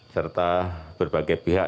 serta berbagai pihak